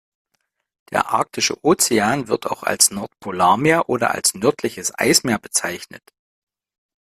Der Arktische Ozean, wird auch als Nordpolarmeer oder nördliches Eismeer bezeichnet.